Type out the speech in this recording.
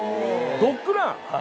ドッグラン？